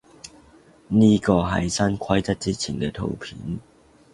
呢個係新規則之前嘅圖片